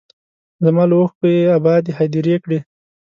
زما له اوښکو یې ابادې هدیرې کړې